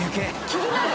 気になる！